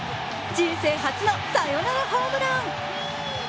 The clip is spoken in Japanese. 人生初のサヨナラホームラン。